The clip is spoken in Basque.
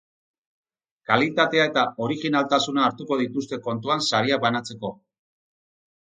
Kalitatea eta originaltasuna hartuko dituzte kontuan sariak banatzeko.